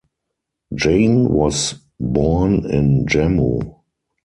Jain was born in Jammu.